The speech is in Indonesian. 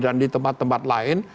dan di tempat tempat lain